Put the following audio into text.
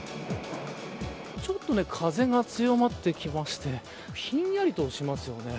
ちょっと風が強まってきましてひんやりとしますよね。